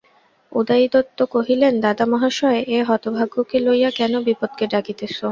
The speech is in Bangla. উদয়াদিত্য কহিলেন, দাদামহাশয়, এ-হতভাগ্যকে লইয়া কেন বিপদকে ডাকিতেছ।